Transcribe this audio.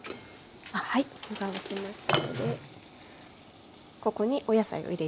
はいお湯が沸きましたのでここにお野菜を入れます。